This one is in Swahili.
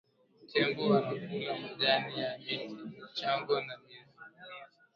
tembo wanakula majani ya miti michanga na mizee